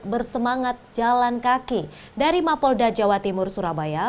bersemangat jalan kaki dari mapolda jawa timur surabaya